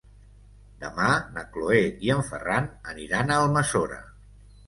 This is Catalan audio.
Demà na Cloè i en Ferran aniran a Almassora.